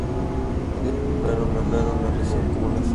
Ellos nombraron la región como La Florida.